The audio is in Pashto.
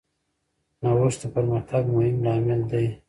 نوښت د پرمختګ مهم لامل دی.